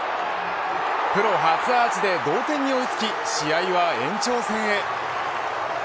プロ初アーチで同点に追いつき試合は延長戦へ。